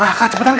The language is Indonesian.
ah kak cepetan kak